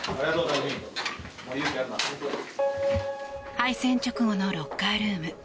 敗戦直後のロッカールーム。